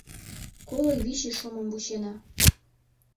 Коло вич ий шумым вучена.